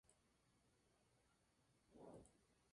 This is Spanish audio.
Suelen encontrarse cerca en los bosques y sabanas cerca de los ríos.